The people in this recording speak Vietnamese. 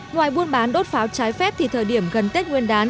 ngoài buôn bán đốt pháo trái phép thì thời điểm gần tết nguyên đán